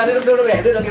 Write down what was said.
duduk duduk duduk